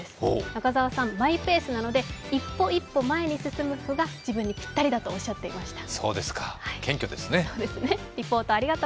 中澤さん、マイペースなので、一歩一歩前に進む歩が自分にぴったりだとおっしゃっていました。